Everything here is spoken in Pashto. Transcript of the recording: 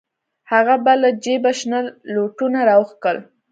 هغه به له جيبه شنه لوټونه راوکښل.